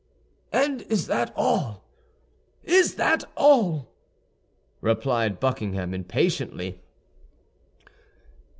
"And is that all—is that all?" replied Buckingham, impatiently.